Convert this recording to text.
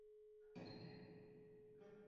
কিন্তু সেটা আমার কথা নয়।